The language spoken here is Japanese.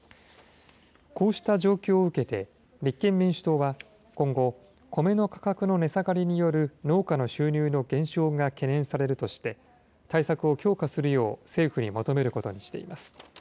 こうした状況を受けて、立憲民主党は今後、コメの価格の値下がりによる農家の収入の減少が懸念されるとして、対策を強化するよう、政府に求めることにしています。